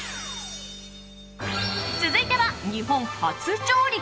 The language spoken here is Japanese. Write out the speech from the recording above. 続いては、日本初上陸！